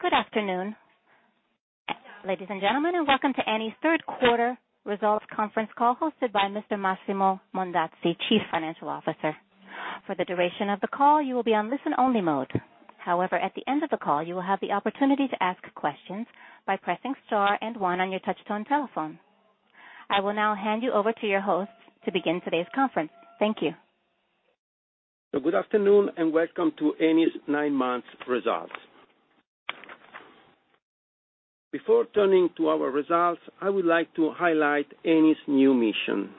Good afternoon, ladies and gentlemen, and welcome to Eni's third quarter results conference call hosted by Mr. Massimo Mondazzi, Chief Financial Officer. For the duration of the call, you will be on listen-only mode. However, at the end of the call, you will have the opportunity to ask questions by pressing star and one on your touch-tone telephone. I will now hand you over to your host to begin today's conference. Thank you. Good afternoon, welcome to Eni's nine months results. Before turning to our results, I would like to highlight Eni's new mission.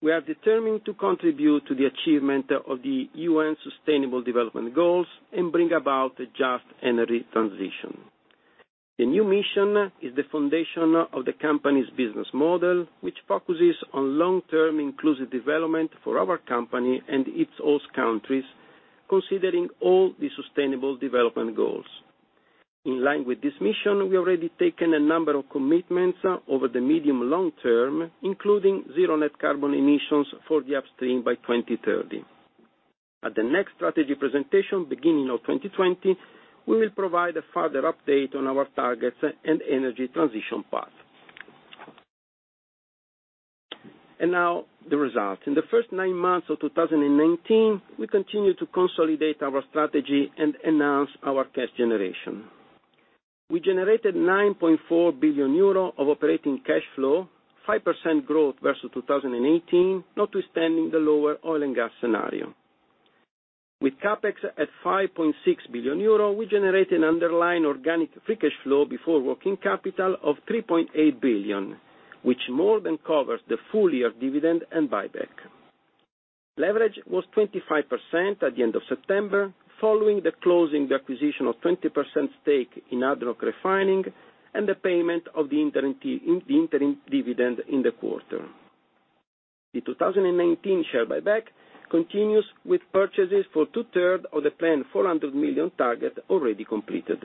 We are determined to contribute to the achievement of the UN Sustainable Development Goals and bring about a just energy transition. The new mission is the foundation of the company's business model, which focuses on long-term inclusive development for our company and its host countries, considering all the Sustainable Development Goals. In line with this mission, we've already taken a number of commitments over the medium long term, including zero net carbon emissions for the upstream by 2030. At the next strategy presentation, beginning of 2020, we will provide a further update on our targets and energy transition path. Now, the results. In the first nine months of 2019, we continued to consolidate our strategy and enhance our cash generation. We generated 9.4 billion euro of operating cash flow, 5% growth versus 2018, notwithstanding the lower oil and gas scenario. With CapEx at 5.6 billion euro, we generated underlying organic free cash flow before working capital of 3.8 billion, which more than covers the full year dividend and buyback. Leverage was 25% at the end of September, following the closing the acquisition of 20% stake in ADNOC Refining and the payment of the interim dividend in the quarter. The 2019 share buyback continues with purchases for two-third of the planned 400 million target already completed.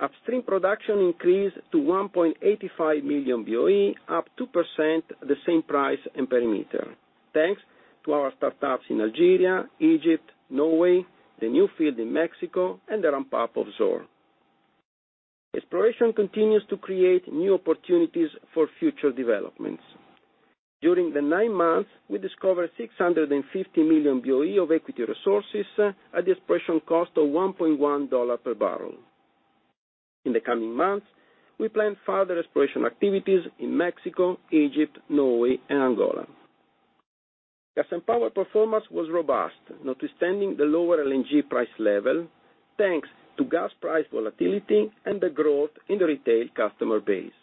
Upstream production increased to 1.85 million BOE, up 2% at the same price and perimeter. Thanks to our startups in Algeria, Egypt, Norway, the new field in Mexico, and the ramp-up of Zohr. Exploration continues to create new opportunities for future developments. During the nine months, we discovered 650 million BOE of equity resources at the exploration cost of $1.1 per barrel. In the coming months, we plan further exploration activities in Mexico, Egypt, Norway, and Angola. Power performance was robust, notwithstanding the lower LNG price level, thanks to gas price volatility and the growth in the retail customer base.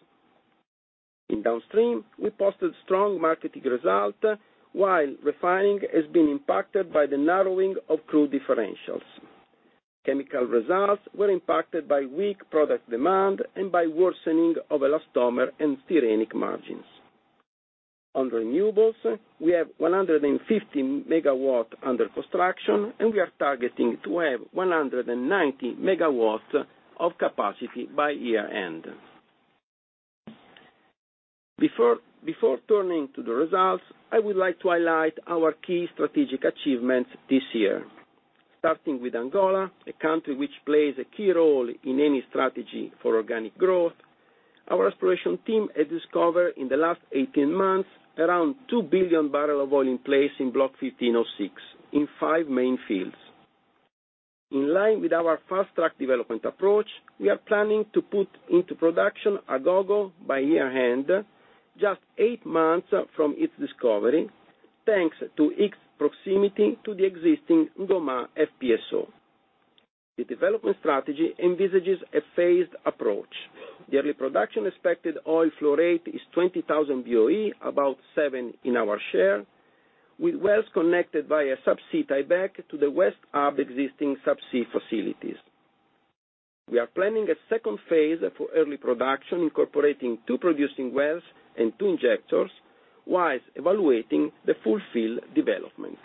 In downstream, we posted strong marketing result, while refining has been impacted by the narrowing of crude differentials. chemical results were impacted by weak product demand and by worsening of elastomer and styrene margins. On renewables, we have 150 MW under construction, and we are targeting to have 190 MW of capacity by year-end. Before turning to the results, I would like to highlight our key strategic achievements this year. Starting with Angola, a country which plays a key role in Eni strategy for organic growth. Our exploration team has discovered, in the last 18 months, around 2 billion barrel of oil in place in Block 15/06, in five main fields. In line with our fast-track development approach, we are planning to put into production Agogo by year-end, just eight months from its discovery, thanks to its proximity to the existing N'Goma FPSO. The development strategy envisages a phased approach. The early production expected oil flow rate is 20,000 BOE, about seven in our share, with wells connected via subsea tieback to the West Hub existing subsea facilities. We are planning a second phase for early production, incorporating two producing wells and two injectors, whilst evaluating the full field development.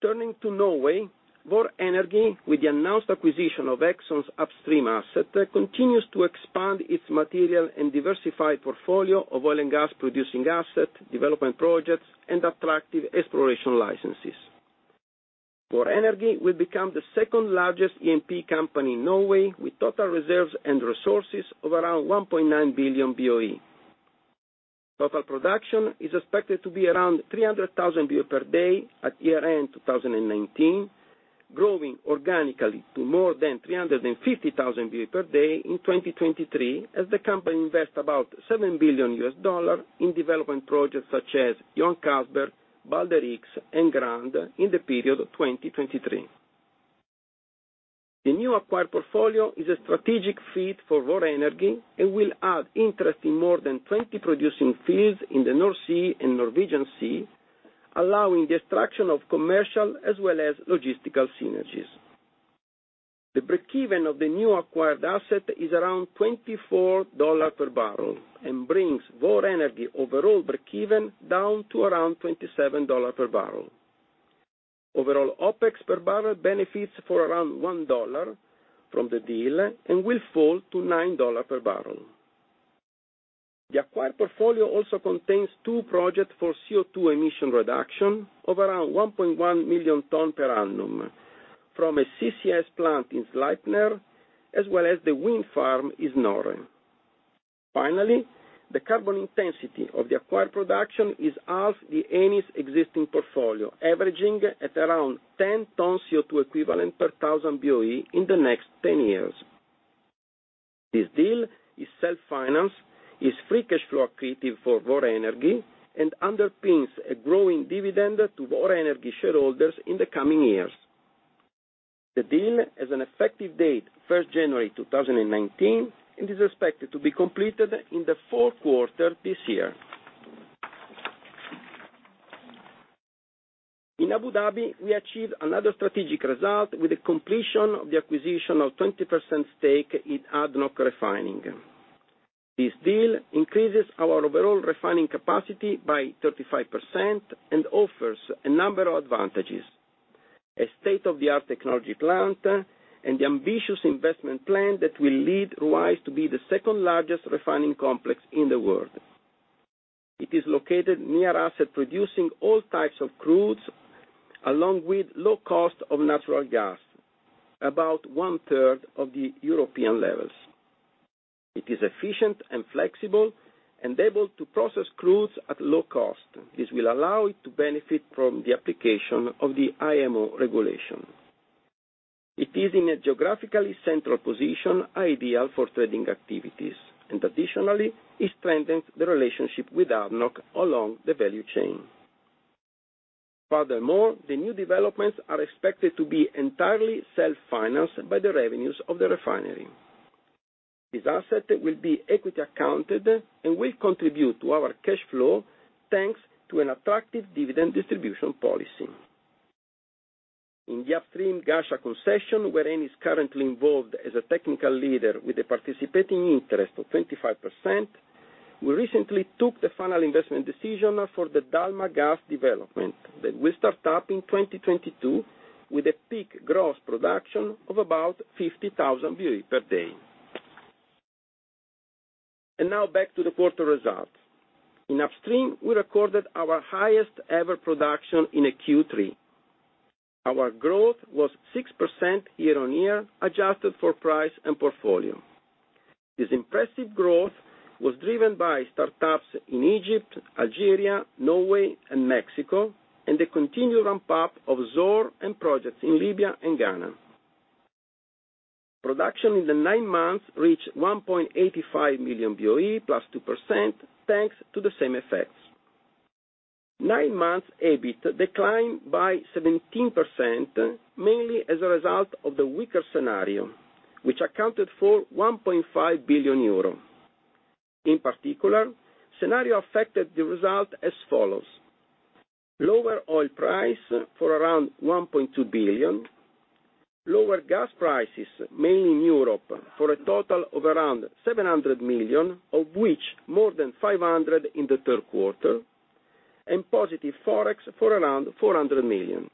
Turning to Norway, Vår Energi, with the announced acquisition of Exxon's upstream asset, continues to expand its material and diversify portfolio of oil and gas producing asset, development projects, and attractive exploration licenses. Vår Energi will become the second-largest E&P company in Norway with total reserves and resources of around 1.9 billion BOE. Total production is expected to be around 300,000 BOE per day at year-end 2019, growing organically to more than 350,000 BOE per day in 2023 as the company invest about EUR 7 billion in development projects such as Johan Castberg, Balder/Ringhorne, and Grane in the period of 2023. The new acquired portfolio is a strategic fit for Vår Energi and will add interest in more than 20 producing fields in the North Sea and Norwegian Sea, allowing the extraction of commercial as well as logistical synergies. The breakeven of the new acquired asset is around EUR 24 per barrel and brings Vår Energi overall breakeven down to around EUR 27 per barrel. Overall, OpEx per barrel benefits for around $1 from the deal and will fall to $9 per barrel. The acquired portfolio also contains two projects for CO2 emission reduction of around 1.1 million tonnes per annum from a CCS plant in Sleipner, as well as the wind farm in Norway. The carbon intensity of the acquired production is half the Eni's existing portfolio, averaging at around 10 tonnes CO2 equivalent per thousand BOE in the next 10 years. This deal is self-financed, is free cash flow accretive for Vår Energi, and underpins a growing dividend to Vår Energi shareholders in the coming years. The deal has an effective date first January 2019, and is expected to be completed in the fourth quarter this year. In Abu Dhabi, we achieved another strategic result with the completion of the acquisition of 20% stake in ADNOC Refining. This deal increases our overall refining capacity by 35% and offers a number of advantages. A state-of-the-art technology plant and the ambitious investment plan that will lead this to be the second-largest refining complex in the world. It is located near asset, producing all types of crudes, along with low cost of natural gas, about one-third of the European levels. It is efficient and flexible and able to process crudes at low cost. This will allow it to benefit from the application of the IMO regulation. It is in a geographically central position, ideal for trading activities, and additionally, it strengthens the relationship with ADNOC along the value chain. Furthermore, the new developments are expected to be entirely self-financed by the revenues of the refinery. This asset will be equity accounted and will contribute to our cash flow, thanks to an attractive dividend distribution policy. In the upstream Ghasha concession, where Eni is currently involved as a technical leader with a participating interest of 25%, we recently took the final investment decision for the Dalma Gas development that will start up in 2022 with a peak gross production of about 50,000 BOE per day. Now back to the quarter results. In upstream, we recorded our highest ever production in a Q3. Our growth was 6% year-over-year, adjusted for price and portfolio. This impressive growth was driven by startups in Egypt, Algeria, Norway, and Mexico, and the continued ramp-up of Zohr and projects in Libya and Ghana. Production in the nine months reached 1.85 million BOE +2% thanks to the same effects. Nine months EBIT declined by 17%, mainly as a result of the weaker scenario, which accounted for 1.5 billion euro. In particular, scenario affected the result as follows. Lower oil price for around 1.2 billion, lower gas prices, mainly in Europe, for a total of around 700 million, of which more than 500 million in the third quarter, and positive ForEx for around 400 million.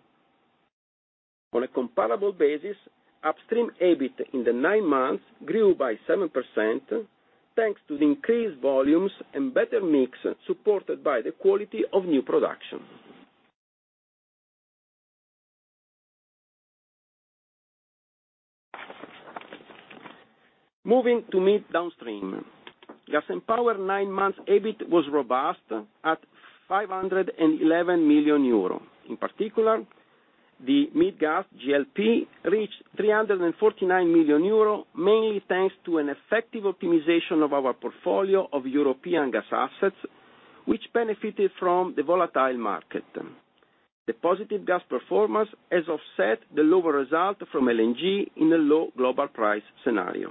On a comparable basis, upstream EBIT in the nine months grew by 7% thanks to the increased volumes and better mix supported by the quality of new production. Moving to mid downstream. Gas & Power nine months EBIT was robust at 511 million euro. In particular, the mid gas G&P reached 349 million euro, mainly thanks to an effective optimization of our portfolio of European gas assets, which benefited from the volatile market. The positive gas performance has offset the lower result from LNG in a low global price scenario.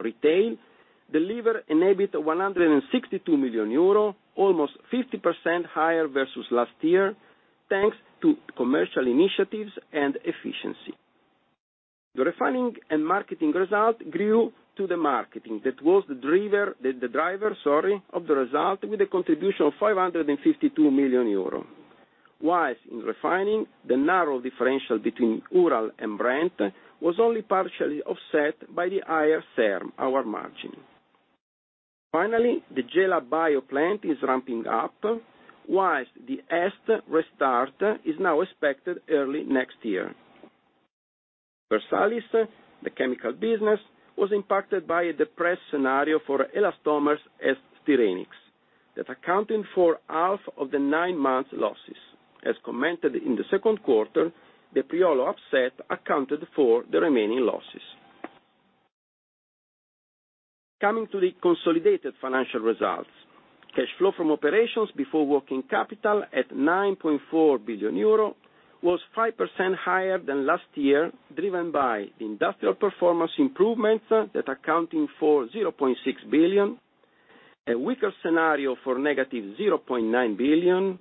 Retail delivered an EBIT of 162 million euro, almost 50% higher versus last year, thanks to commercial initiatives and efficiency. The refining and marketing result grew to the marketing. That was the driver of the result with a contribution of 552 million euro. In refining, the narrow differential between Urals and Brent was only partially offset by the higher SERM, our margin. Finally, the Gela Bio plant is ramping up, whilst the EST restart is now expected early next year. Versalis, the chemical business, was impacted by a depressed scenario for elastomers and styrenics that accounted for half of the nine-month losses. As commented in the second quarter, the Priolo upset accounted for the remaining losses. Coming to the consolidated financial results. Cash flow from operations before working capital at 9.4 billion euro was 5% higher than last year, driven by the industrial performance improvements that accounting for 0.6 billion, a weaker scenario for -0.9 billion,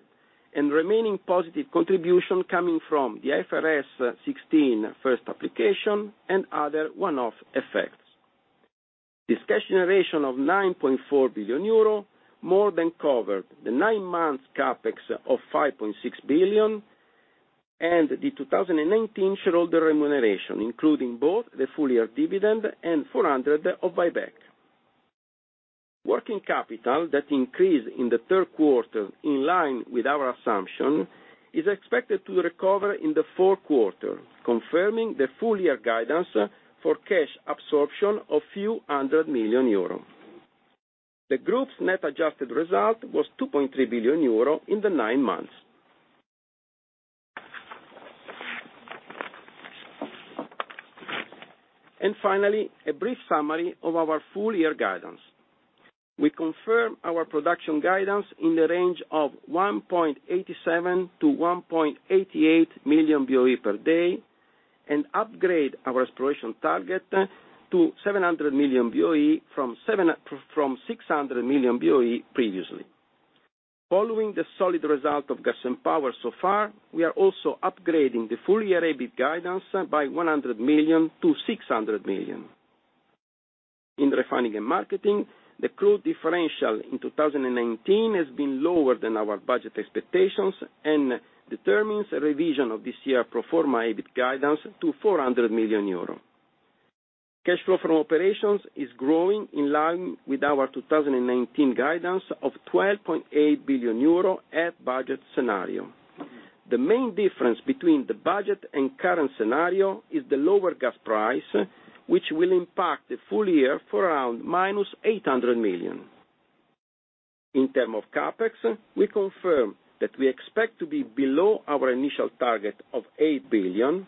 and remaining positive contribution coming from the IFRS 16 first application and other one-off effects. This cash generation of 9.4 billion euro more than covered the nine-month CapEx of 5.6 billion. The 2019 shareholder remuneration, including both the full-year dividend and 400 of buyback. Working capital that increased in the third quarter, in line with our assumption, is expected to recover in the fourth quarter, confirming the full-year guidance for cash absorption of a few hundred million euro. The group's net adjusted result was 2.3 billion euro in the nine months. Finally, a brief summary of our full-year guidance. We confirm our production guidance in the range of 1.87 million-1.88 million BOE per day, and upgrade our exploration target to 700 million BOE from 600 million BOE previously. Following the solid result of Gas & Power so far, we are also upgrading the full-year EBIT guidance by 100 million to 600 million. In Refining & Marketing, the crude differential in 2019 has been lower than our budget expectations and determines a revision of this year pro forma EBIT guidance to 400 million euro. Cash flow from operations is growing in line with our 2019 guidance of 12.8 billion euro at budget scenario. The main difference between the budget and current scenario is the lower gas price, which will impact the full year for around -800 million. In term of CapEx, we confirm that we expect to be below our initial target of 8 billion.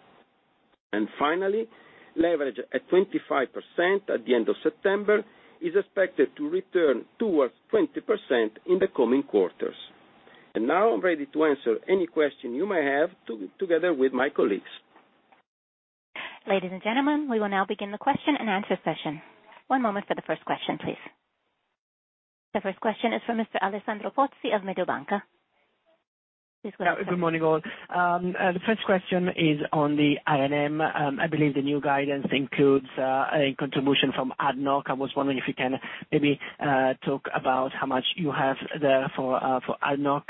Finally, leverage at 25% at the end of September is expected to return towards 20% in the coming quarters. Now I'm ready to answer any question you may have, together with my colleagues. Ladies and gentlemen, we will now begin the question-and-answer session. One moment for the first question, please. The first question is from Mr. Alessandro Pozzi of Mediobanca. Please go ahead. Good morning, all. The first question is on the IMO. I believe the new guidance includes a contribution from ADNOC. I was wondering if you can maybe talk about how much you have there for ADNOC.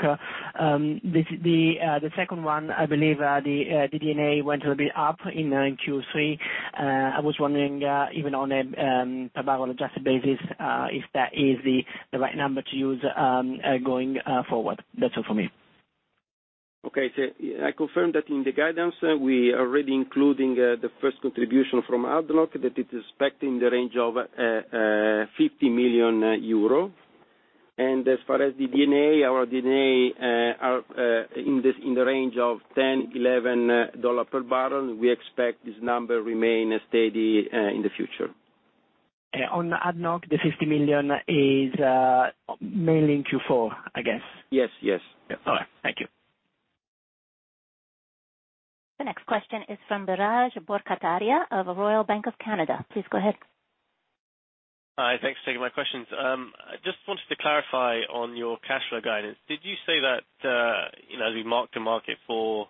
The second one, I believe the DD&A went a little bit up in Q3. I was wondering, even on a barrel-adjusted basis, if that is the right number to use going forward. That's all for me. I confirm that in the guidance, we are already including the first contribution from ADNOC, that is expecting the range of 50 million euro. As far as the DD&A, our DD&A are in the range of 10, EUR 11 per barrel. We expect this number remain steady in the future. On the ADNOC, the 50 million is mainly in Q4, I guess. Yes. All right. Thank you. The next question is from Biraj Borkhataria of Royal Bank of Canada. Please go ahead. Hi, thanks for taking my questions. I just wanted to clarify on your cash flow guidance. Did you say that as we mark to market for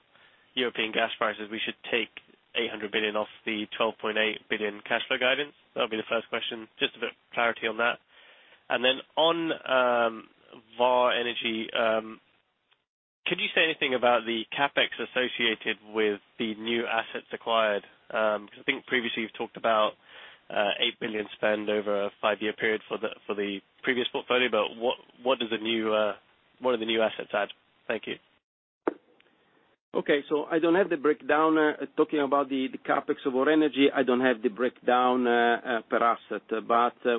European gas prices, we should take 800 million off the 12.8 billion cash flow guidance? That will be the first question. Just a bit of clarity on that. On Vår Energi, could you say anything about the CapEx associated with the new assets acquired? Because I think previously you've talked about 8 million spend over a five-year period for the previous portfolio. What do the new assets add? Thank you. Okay, I don't have the breakdown. Talking about the CapEx of Vår Energi, I don't have the breakdown per asset.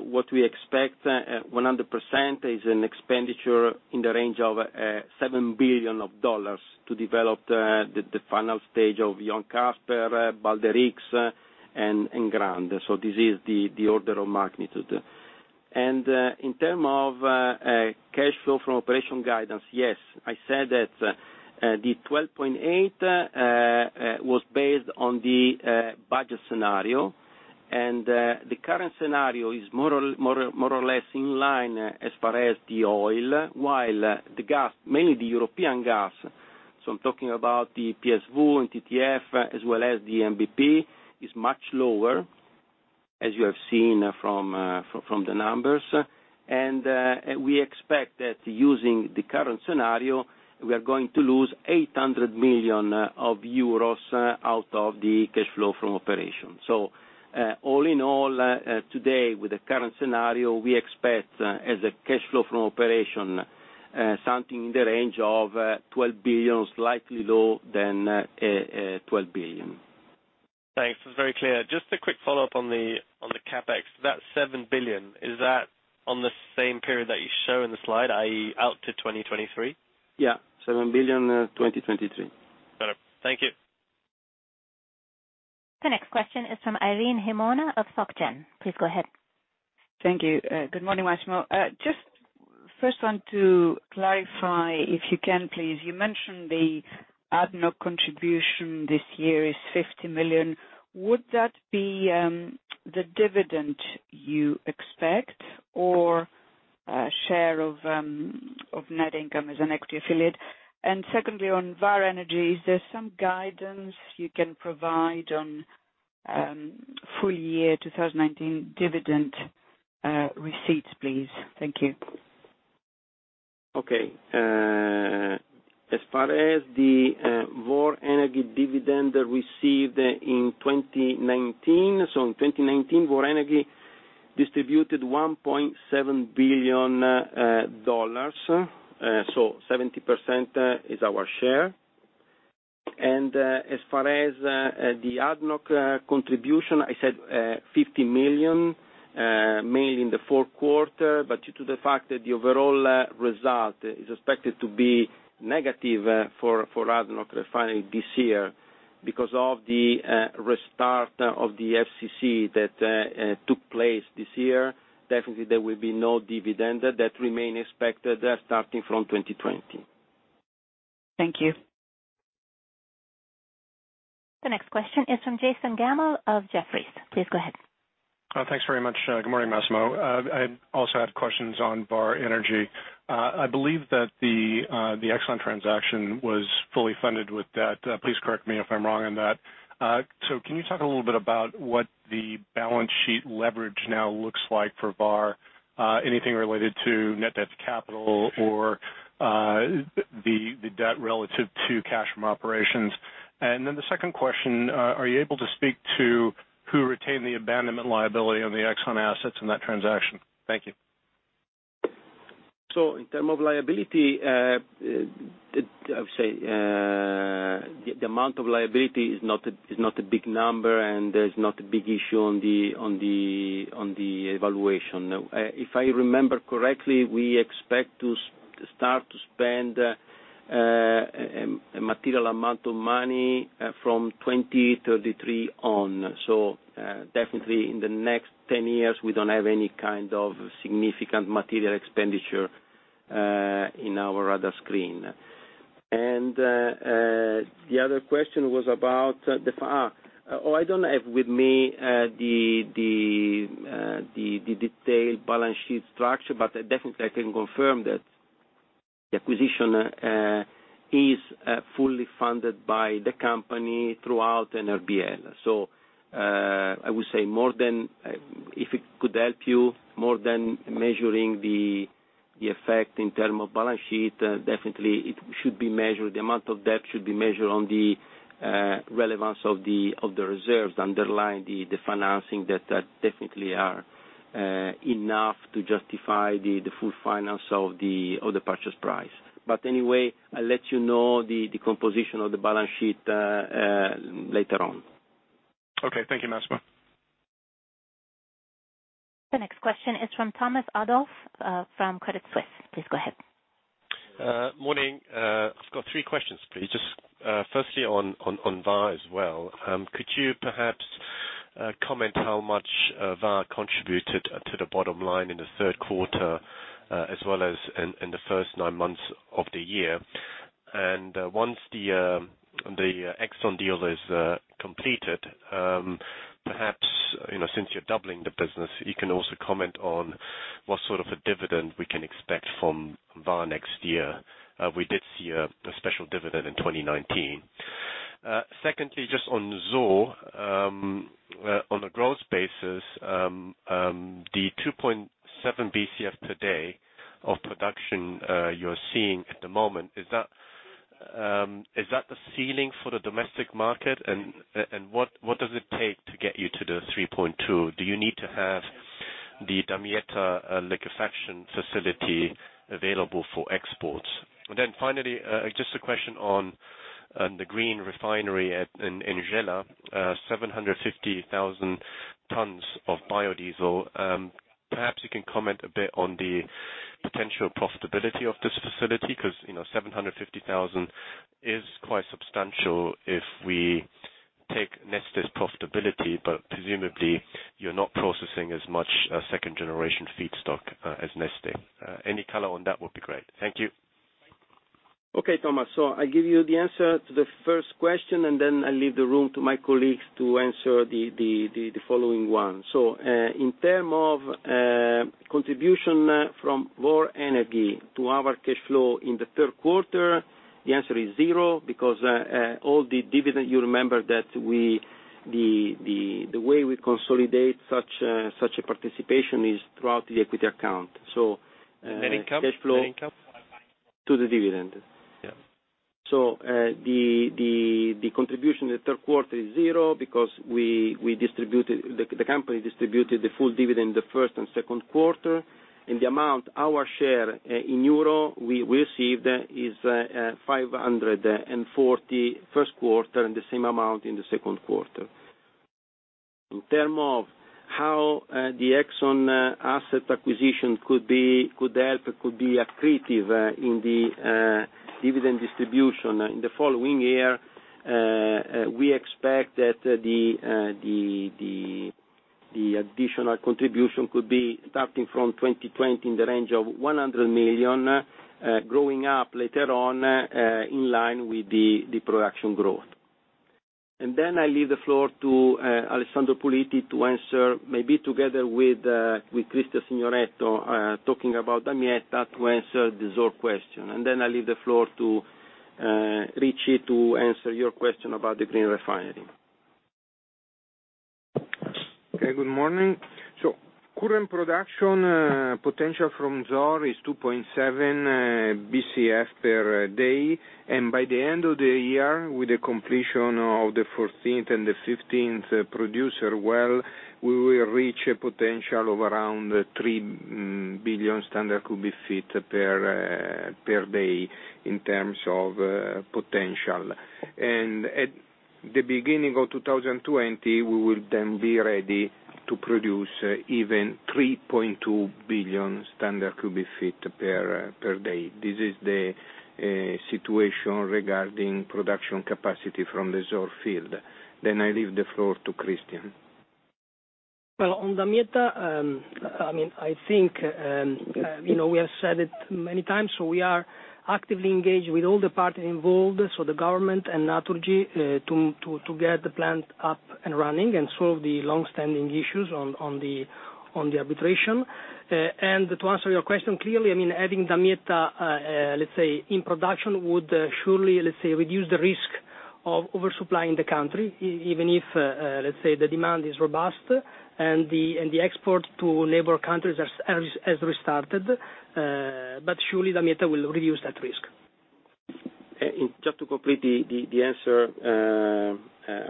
What we expect, 100% is an expenditure in the range of EUR 7 billion to develop the final stage of Johan Castberg, Balder and Ringhorne, and Grane. This is the order of magnitude. In terms of cash flow from operation guidance, yes, I said that the 12.8 was based on the budget scenario, and the current scenario is more or less in line as far as the oil, while the gas, mainly the European gas, so I'm talking about the PSV and TTF as well as the NBP, is much lower, as you have seen from the numbers. We expect that using the current scenario, we are going to lose 800 million euros out of the cash flow from operation. All in all, today with the current scenario, we expect as a cash flow from operation, something in the range of 12 billion, slightly low than 12 billion. Thanks. That's very clear. Just a quick follow-up on the CapEx. That 7 billion, is that on the same period that you show in the slide, i.e., out to 2023? Yeah, 7 billion, 2023. Got it. Thank you. The next question is from Irene Himona of Société Générale. Please go ahead. Thank you. Good morning, Massimo. Just first want to clarify, if you can, please. You mentioned the ADNOC contribution this year is 50 million. Would that be the dividend you expect or a share of net income as an equity affiliate? Secondly, on Vår Energi, is there some guidance you can provide on full year 2019 dividend receipts, please? Thank you. Okay. As far as the Vår Energi dividend received in 2019. In 2019, Vår Energi distributed EUR 1.7 billion. 70% is our share. As far as the ADNOC contribution, I said 50 million, mainly in the fourth quarter, but due to the fact that the overall result is expected to be negative for ADNOC Refining this year because of the restart of the FCC that took place this year, definitely there will be no dividend that remain expected starting from 2020. Thank you. The next question is from Jason Gammel of Jefferies. Please go ahead. Thanks very much. Good morning, Massimo. I also have questions on Vår Energi. I believe that the Exxon transaction was fully funded with that. Please correct me if I'm wrong on that. Can you talk a little bit about what the balance sheet leverage now looks like for Vår? Anything related to net debt to capital or the debt relative to cash from operations. The second question, are you able to speak to who retained the abandonment liability on the Exxon assets in that transaction? Thank you. In terms of liability, I would say, the amount of liability is not a big number, and there is not a big issue on the evaluation. If I remember correctly, we expect to start to spend a material amount of money from 2033 on. Definitely in the next 10 years, we do not have any kind of significant material expenditure in our radar screen. The other question was about the I do not have with me the detailed balance sheet structure, but definitely I can confirm that the acquisition is fully funded by the company throughout RBL. I would say if it could help you more than measuring the effect in terms of balance sheet, definitely the amount of debt should be measured on the relevance of the reserves underlying the financing that definitely are enough to justify the full finance of the purchase price. Anyway, I'll let you know the composition of the balance sheet later on. Okay. Thank you, Massimo. The next question is from Thomas Adolff from Credit Suisse. Please go ahead. Morning. I've got three questions, please. Firstly on Vår as well, could you perhaps comment how much Vår contributed to the bottom line in the third quarter as well as in the first nine months of the year? Once the Exxon deal is completed, perhaps, since you're doubling the business, you can also comment on what sort of a dividend we can expect from Vår next year. We did see a special dividend in 2019. Secondly, on Zohr, on a growth basis, the 2.7 Bcf today of production you're seeing at the moment, is that the ceiling for the domestic market? What does it take to get you to the 3.2? Do you need to have the Damietta liquefaction facility available for exports? Finally, a question on the green refinery in Gela, 750,000 tons of biodiesel. Perhaps you can comment a bit on the potential profitability of this facility because 750,000 is quite substantial if we take Neste's profitability. Presumably, you're not processing as much second generation feedstock as Neste. Any color on that would be great. Thank you. Okay, Thomas. I give you the answer to the first question, and then I leave the room to my colleagues to answer the following one. In term of contribution from Vår Energi to our cash flow in the third quarter, the answer is zero because all the dividend, you remember that the way we consolidate such a participation is throughout the equity account. Net income? Cash flow to the dividend. Yeah. The contribution in the third quarter is zero because the company distributed the full dividend the first and second quarter. The amount, our share in euro we received is 540 first quarter and the same amount in the second quarter. In term of how the Exxon asset acquisition could help, could be accretive in the dividend distribution in the following year. We expect that the additional contribution could be starting from 2020 in the range of 100 million, growing up later on, in line with the production growth. I leave the floor to Alessandro Puliti to answer, maybe together with Cristian Signoretto, talking about Damietta to answer the Zohr question. I leave the floor to Ricci to answer your question about the green refinery. Okay, good morning. Current production potential from Zohr is 2.7 Bcf per day, and by the end of the year, with the completion of the 14th and the 15th producer well, we will reach a potential of around 3 billion standard cubic feet per day in terms of potential. At the beginning of 2020, we will then be ready to produce even 3.2 billion standard cubic feet per day. This is the situation regarding production capacity from the Zohr field. I leave the floor to Cristian. On Damietta, I think we have said it many times. We are actively engaged with all the parties involved, so the government and Naturgy, to get the plant up and running and solve the longstanding issues on the arbitration. To answer your question clearly, adding Damietta, let's say, in production would surely reduce the risk of oversupplying the country, even if the demand is robust and the export to neighbor countries has restarted. Surely Damietta will reduce that risk. Just to complete the answer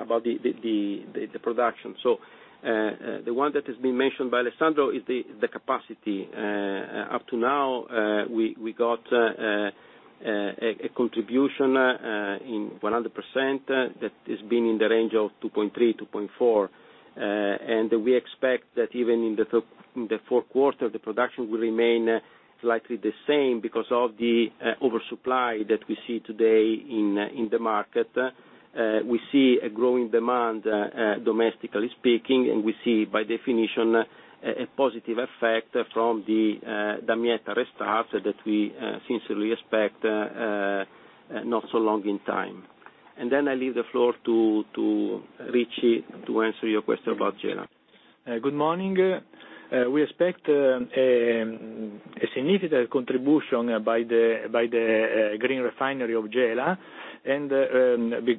about the production. The one that has been mentioned by Alessandro is the capacity. Up to now, we got a contribution in 100% that has been in the range of 2.3, 2.4. We expect that even in the fourth quarter, the production will remain slightly the same because of the oversupply that we see today in the market. We see a growing demand, domestically speaking, and we see, by definition, a positive effect from the Damietta restart that we sincerely expect not so long in time. I leave the floor to Ricci to answer your question about Gela. Good morning.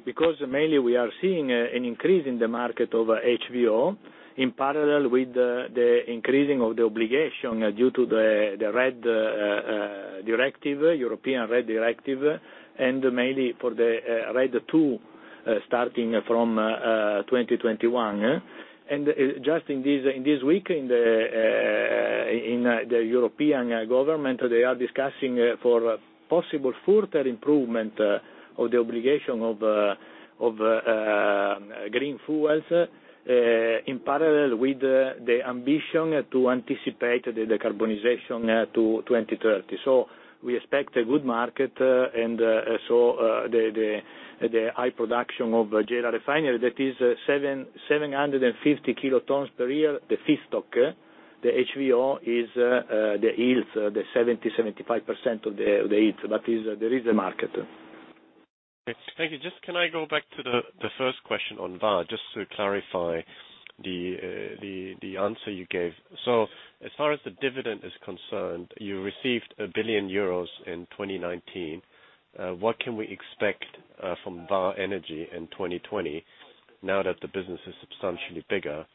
Because mainly we are seeing an increase in the market of HVO, in parallel with the increasing of the obligation due to the European RED Directive, mainly for the RED II starting from 2021. Just in this week, in the European government, they are discussing for possible further improvement of the obligation of green fuels, in parallel with the ambition to anticipate the decarbonization to 2030. We expect a good market, and so the high production of Gela refinery, that is 750 kT per year, the feedstock, the HVO is the 70%, 75% of the heat. There is a market. Thank you. Just can I go back to the first question on Vår, just to clarify the answer you gave. As far as the dividend is concerned, you received 1 billion euros in 2019. What can we expect from Vår Energy in 2020 now that the business is substantially bigger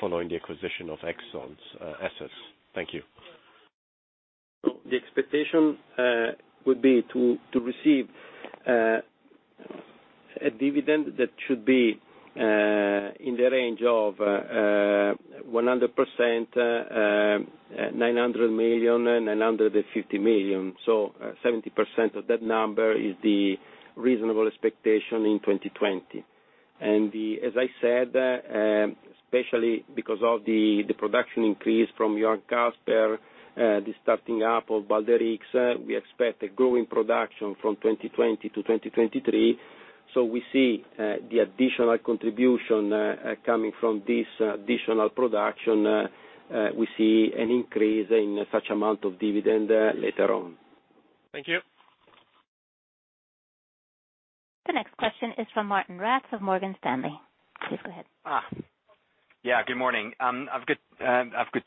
following the acquisition of Exxon's assets? Thank you. The expectation would be to receive a dividend that should be in the range of 100%, 900 million and 150 million. 70% of that number is the reasonable expectation in 2020. As I said, especially because of the production increase from Johan Castberg, the starting up of Balder/Ringhorne, we expect a growing production from 2020 to 2023. We see the additional contribution coming from this additional production. We see an increase in such amount of dividend later on. Thank you. The next question is from Martijn Rats of Morgan Stanley. Please go ahead. Yeah, good morning. I've got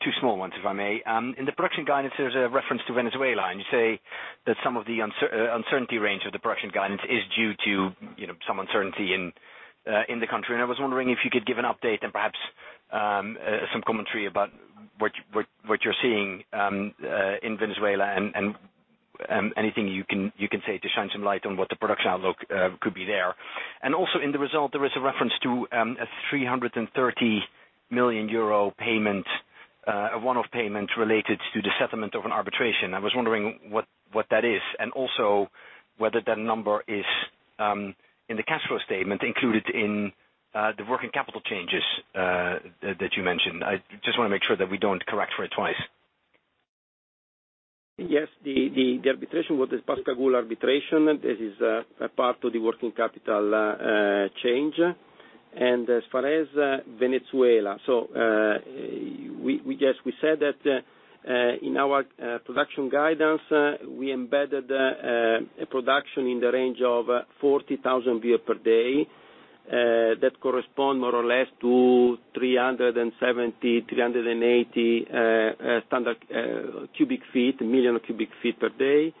two small ones, if I may. In the production guidance, there's a reference to Venezuela, and you say that some of the uncertainty range of the production guidance is due to some uncertainty in the country, and I was wondering if you could give an update and perhaps some commentary about what you're seeing in Venezuela and anything you can say to shine some light on what the production outlook could be there. In the result, there is a reference to a 330 million euro one-off payment related to the settlement of an arbitration. I was wondering what that is, and also whether that number is, in the cash flow statement, included in the working capital changes that you mentioned. I just want to make sure that we don't correct for it twice. Yes, the arbitration was the Pascagoula arbitration. This is a part of the working capital change. As far as Venezuela, we said that in our production guidance, we embedded a production in the range of 40,000 barrel per day. That correspond more or less to 370,380 standard cubic feet, million cubic feet per day.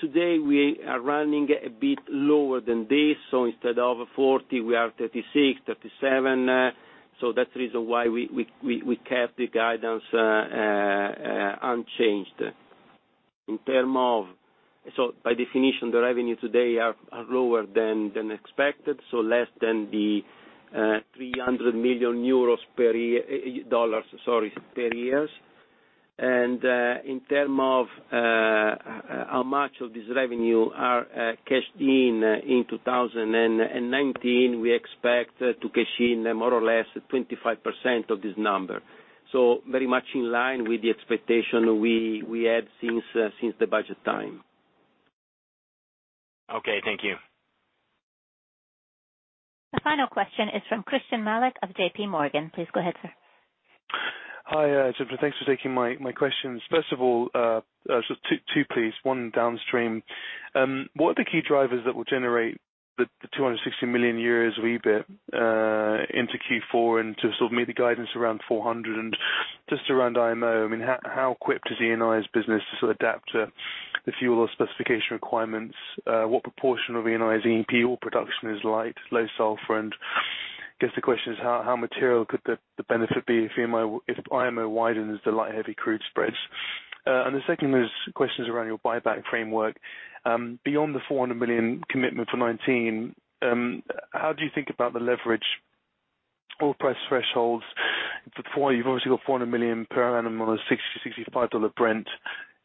Today, we are running a bit lower than this. Instead of 40, we are 36, 37. That's the reason why we kept the guidance unchanged. By definition, the revenue today are lower than expected, less than the 300 million euros per year. Dollars, sorry, per year. In term of how much of this revenue are cashed in 2019, we expect to cash in more or less 25% of this number. Very much in line with the expectation we had since the budget time. Okay, thank you. The final question is from Christyan Malek of JPMorgan. Please go ahead, sir. Hi, gentlemen. Thanks for taking my questions. First of all, two, please, one downstream. What are the key drivers that will generate the 260 million euros EBIT into Q4 and to meet the guidance around 400 million? Just around IMO, how quick does Eni's business adapt to the fuel or specification requirements? What proportion of Eni's E&P production is light, low sulfur? I guess the question is how material could the benefit be if IMO widens the light heavy crude spreads? The second question is around your buyback framework. Beyond the 400 million commitment for 2019, how do you think about the leverage oil price thresholds? You've obviously got 400 million per annum on a $60, $65 Brent,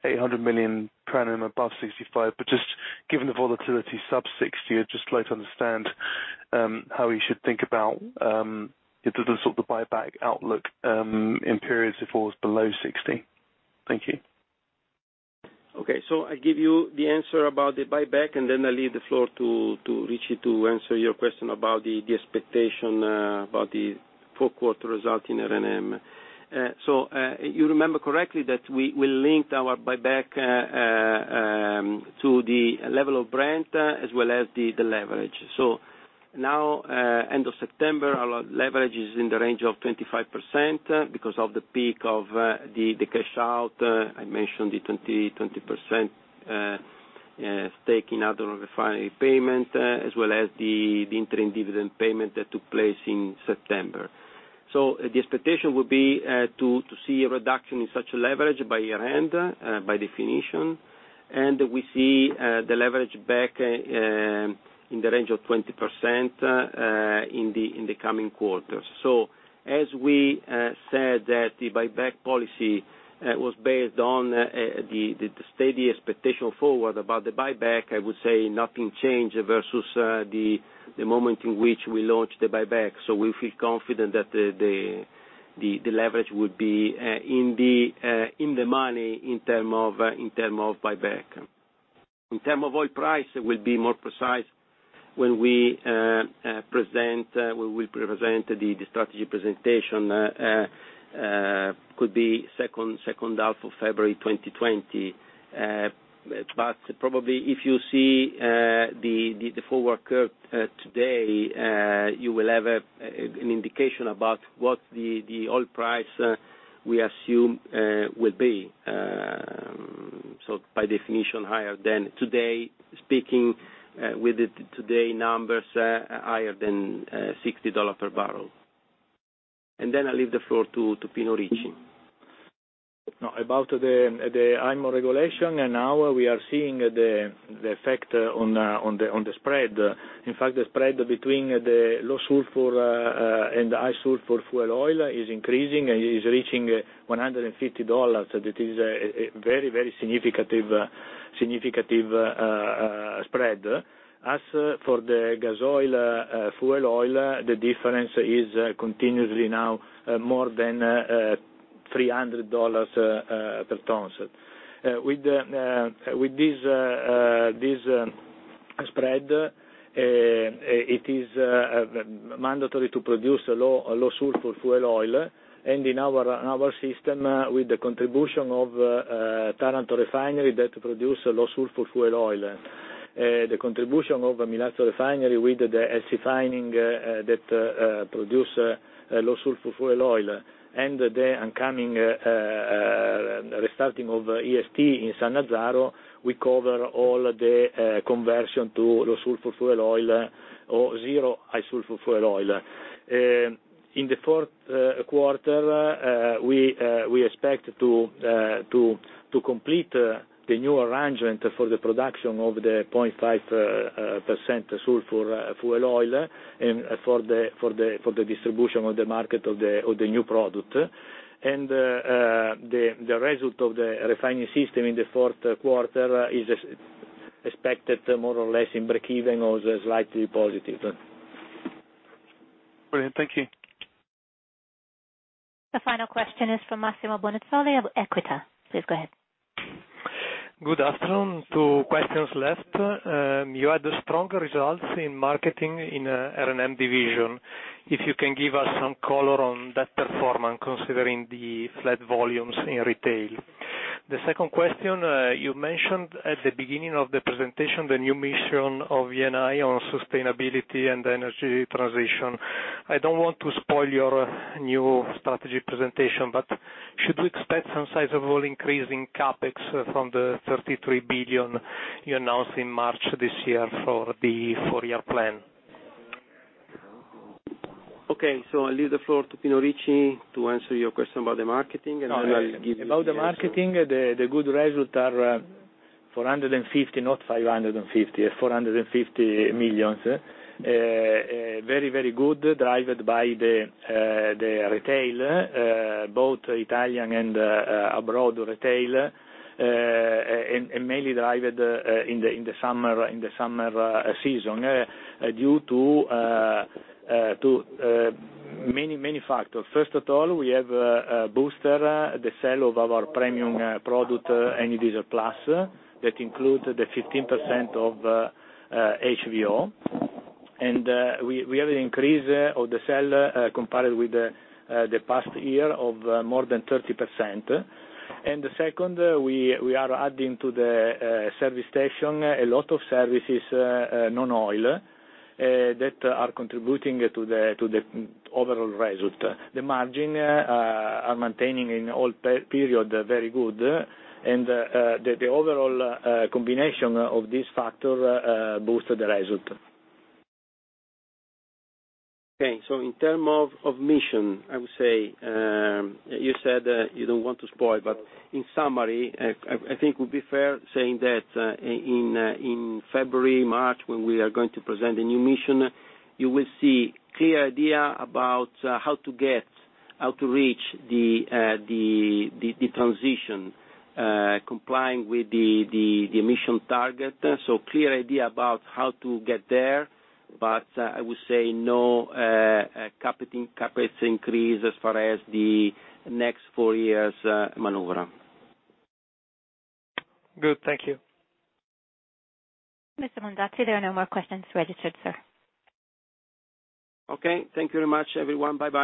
800 million per annum above $65. Just given the volatility sub 60, I'd just like to understand how we should think about the buyback outlook in periods if oil is below 60. Thank you. Okay. I give you the answer about the buyback, and then I leave the floor to Ricci to answer your question about the expectation about the fourth quarter result in R&M. You remember correctly that we linked our buyback to the level of Brent as well as the leverage. Now, end of September, our leverage is in the range of 25% because of the peak of the cash out. I mentioned the 20% stake in other refinery payment, as well as the interim dividend payment that took place in September. The expectation would be to see a reduction in such leverage by year-end, by definition, and we see the leverage back in the range of 20% in the coming quarters. As we said that the buyback policy was based on the steady expectation forward about the buyback, I would say nothing changed versus the moment in which we launched the buyback. We feel confident that the leverage would be in the money in term of buyback. In term of oil price, we will be more precise when we present the strategy presentation. Could be second half of February 2020. Probably if you see the forward curve today, you will have an indication about what the oil price we assume will be. By definition, higher than today, speaking with the today numbers, higher than EUR 60 per barrel. Then I leave the floor to Giuseppe Ricci. About the IMO regulation, now we are seeing the effect on the spread. In fact, the spread between the low sulfur and the high sulfur fuel oil is increasing and is reaching EUR 150. That is a very significant spread. As for the gas oil, fuel oil, the difference is continuously now more than EUR 300 per tons. With this spread, it is mandatory to produce a low sulfur fuel oil, in our system, with the contribution of Taranto refinery that produce low sulfur fuel oil. The contribution of Milazzo refinery with the acid treating that produce low sulfur fuel oil. The upcoming restarting of EST in Sannazzaro, we cover all the conversion to low sulfur fuel oil or zero high sulfur fuel oil. In the fourth quarter, we expect to complete the new arrangement for the production of the 0.5% sulfur fuel oil, and for the distribution on the market of the new product. The result of the refining system in the fourth quarter is expected more or less in break-even or slightly positive. Brilliant. Thank you. The final question is from Massimo Bonisoli of Equita. Please go ahead. Good afternoon. Two questions left. You had strong results in marketing in R&M division. If you can give us some color on that performance, considering the flat volumes in retail. The second question, you mentioned at the beginning of the presentation the new mission of Eni on sustainability and energy transition. I don't want to spoil your new strategy presentation, but should we expect some sizable increase in CapEx from the 33 billion you announced in March this year for the four-year plan? Okay. I'll leave the floor to Giuseppe Ricci to answer your question about the marketing, and I will give you the answer. About the marketing, the good result are 450 million, not 550 million. 450 million. Very good, driven by the retail, both Italian and abroad retail, and mainly driven in the summer season due to many factors. First of all, we have boosted the sale of our premium product, Eni Diesel +, that includes the 15% of HVO. We have an increase of the sale compared with the past year of more than 30%. The second, we are adding to the service station, a lot of services, non-oil, that are contributing to the overall result. The margin are maintaining in all period very good, and the overall combination of this factor boosted the result. Okay, in term of mission, you said you don't want to spoil. In summary, I think it would be fair saying that, in February, March, when we are going to present the new mission, you will see clear idea about how to reach the transition, complying with the emission target. Clear idea about how to get there, I would say no CapEx increase as far as the next four years maneuver. Good. Thank you. Mr. Mondazzi, there are no more questions registered, sir. Okay. Thank you very much, everyone. Bye-bye.